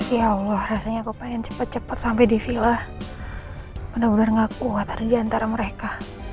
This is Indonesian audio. ya allah rasanya aku pengen cepet cepet sampai di vila bener bener nggak kuat ada diantara mereka